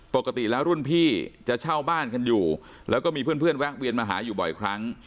ปกติแล้วรุ่นพี่จะเช่าบ้านกันอยู่แล้วก็มีเพื่อนแวะเวียนมาหาอยู่บ่อยครั้ง